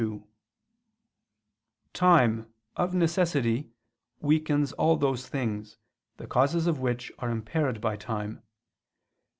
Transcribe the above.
2: Time, of necessity, weakens all those things, the causes of which are impaired by time.